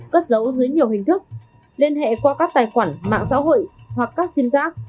cất giấu dưới nhiều hình thức liên hệ qua các tài khoản mạng xã hội hoặc các xin giác